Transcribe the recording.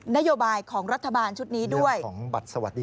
นโยบายของรัฐบาลชุดนี้ด้วย